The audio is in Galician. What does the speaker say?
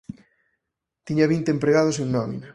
Tiña vinte empregados en nómina.